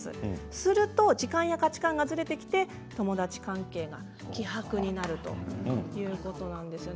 すると、時間や価値観がずれてきて友達関係が希薄になるということなんですよね。